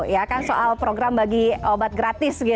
ya kan soal program bagi obat gratis